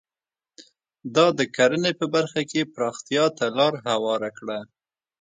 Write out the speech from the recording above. دا د کرنې په برخه کې پراختیا ته لار هواره کړه.